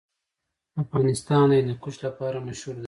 افغانستان د هندوکش لپاره مشهور دی.